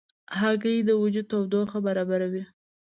هګۍ د وجود تودوخه برابروي.